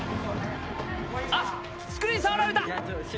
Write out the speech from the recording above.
あっスクリーン触られた！